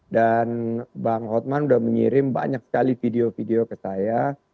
dan bang hotman sudah mengirim banyak sekali video video ke saya